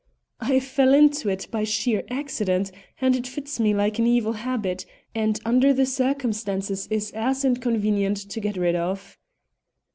"I fell into it by sheer accident, and it fits me like an evil habit, and under the circumstances is as inconvenient to get rid of."